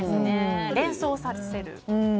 連想させる。